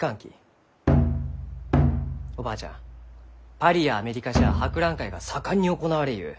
パリやアメリカじゃ博覧会が盛んに行われゆう。